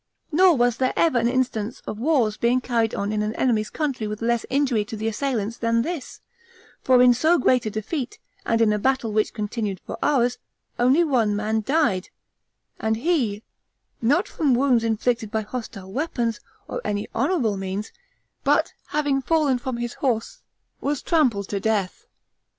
Nor was there ever an instance of wars being carried on in an enemy's country with less injury to the assailants than at this; for in so great a defeat, and in a battle which continued four hours, only one man died, and he, not from wounds inflicted by hostile weapons, or any honorable means, but, having fallen from his horse, was trampled to death.